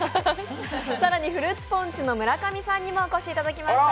更にフルーツポンチの村上さんにもお越しいただきました。